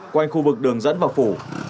quanh khu vực đường dẫn vào phủ